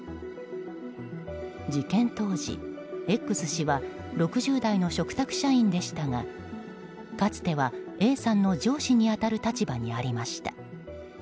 事件当時、Ｘ氏は６０代の嘱託社員でしたがかつてはＡさんの上司に当たる立場にありました。